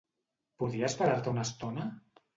Podries parar-te una estona?